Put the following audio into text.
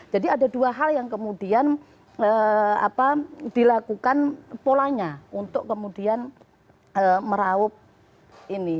jadi ada dua hal yang kemudian dilakukan polanya untuk kemudian meraup ini